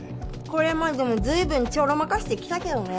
これまでも随分ちょろまかしてきたけどね